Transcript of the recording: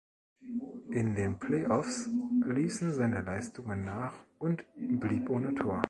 In den Playoffs ließen seine Leistungen nach und blieb ohne Tor.